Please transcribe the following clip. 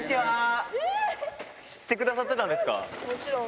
知ってくださっていたんですもちろん。